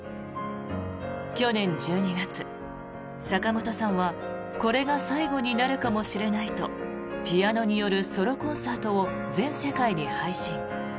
去年１２月、坂本さんはこれが最後になるかもしれないとピアノによるソロコンサートを全世界に配信。